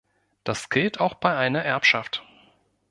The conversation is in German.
Das gilt auch bei einer Erbschaft.